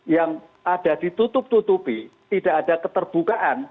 yang ada ditutup tutupi tidak ada keterbukaan